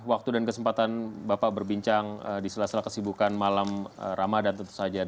waktu dan kesempatan bapak berbincang di sela sela kesibukan malam ramadan tentu saja